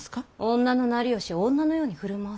女のなりをし女のように振る舞わせよ。